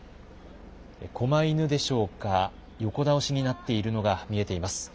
こま犬でしょうか横倒しになっているのが見えています。